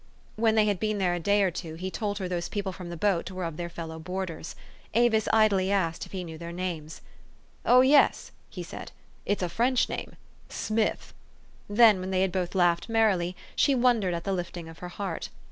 " When they had been there a day or two, he told her those people from the boat were of their fellow boarders. Avis idly asked if he knew their names. "0>h, yes!" he said, " it's a French name, Smith." Then, when they both laughed merrily, she wondered at the lifting of her heart.